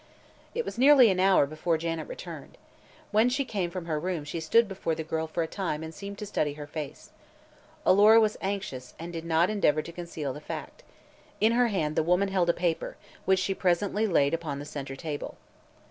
It was nearly an hour before Janet returned. When she came from her room she stood before the girl for a time and seemed to study her face. Alora was anxious and did not endeavor to conceal the fact. In her hand the woman held a paper, which she presently laid upon the center table.